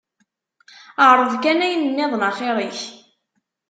Ԑreḍ kan ayen nniḍen axir-ik.